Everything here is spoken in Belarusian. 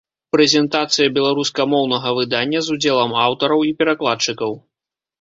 Прэзентацыя беларускамоўнага выдання з удзелам аўтараў і перакладчыкаў.